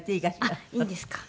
あっいいんですか？